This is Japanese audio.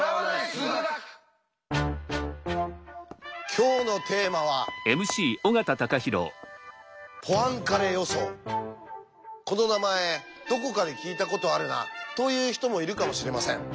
今日のテーマはこの名前どこかで聞いたことあるなという人もいるかもしれません。